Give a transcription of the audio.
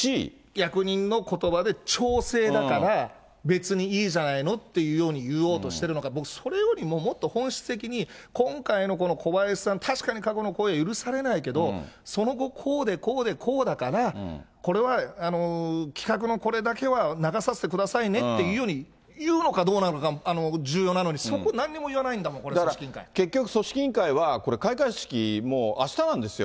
役人のことばで調整だから、別にいいじゃないのっていうように言おうとしてるのか、僕、それよりももっと本質的に、今回のこの小林さん、確かに過去の行為は許されないけど、その後、こうで、こうで、こうだから、これは企画のこれだけは流させてくださいねっていうふうに言うのかどうなのか重要なのに、そこをなんにも言わないんだもん、組織委員会。だから結局、組織委員会は、これ、開会式もうあしたなんですよ。